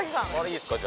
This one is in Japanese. いいですか？